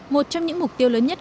một trong những mục tiêu lớn nhất